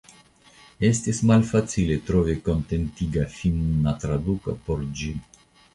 Estis malfacile trovi kontentiga finna traduko por ĝi.